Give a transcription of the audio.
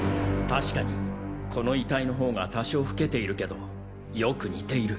確かにこの遺体の方が多少老けているけどよく似ている。